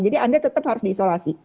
jadi anda tetap harus di isolasi